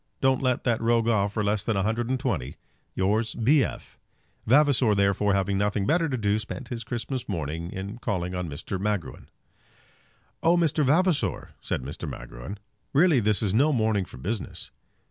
Don't let that rogue off for less than a hundred and twenty. Yours, B. F." Vavasor, therefore, having nothing better to do, spent his Christmas morning in calling on Mr. Magruin. "Oh, Mr. Vavasor," said Magruin; "really this is no morning for business!"